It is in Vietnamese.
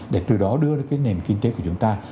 để từ đó đưa được cái nền kinh tế của chúng ta